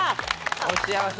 お幸せに！